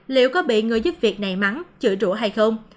liệu có bị người giúp việc này mắng chữa rũa hay không